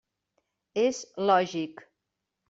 És lògic.